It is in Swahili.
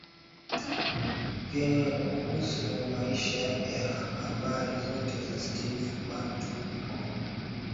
Vyenye kuhusu maisha na habari zote za Steve Bantu Biko